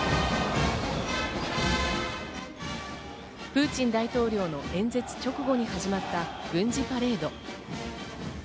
プーチン大統領の演説直後に始まった軍事パレード。